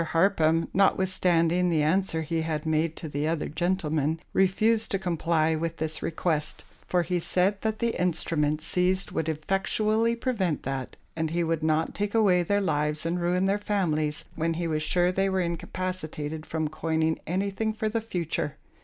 Harpham, notwithstanding the answer he had made to the other gentleman, refused to comply with this request; for he said that the instruments seized would effectually prevent that, and he would not take away their lives and ruin their families, when he was sure they were incapacitated from coining anything for the future.